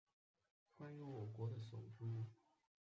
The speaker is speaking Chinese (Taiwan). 關於我國的首都